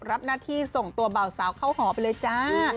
รับหน้าที่ส่งตัวเบาสาวเข้าหอไปเลยจ้า